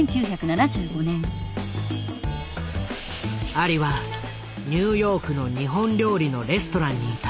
アリはニューヨークの日本料理のレストランにいた。